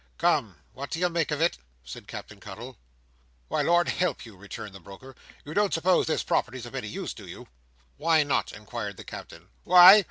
"Come! What do you make of it?" said Captain Cuttle. "Why, Lord help you!" returned the broker; "you don't suppose that property's of any use, do you?" "Why not?" inquired the Captain. "Why?